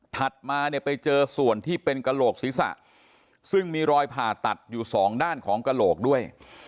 มาเนี่ยไปเจอส่วนที่เป็นกระโหลกศีรษะซึ่งมีรอยผ่าตัดอยู่สองด้านของกระโหลกด้วย